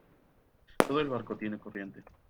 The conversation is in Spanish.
todo el barco tiene corriente.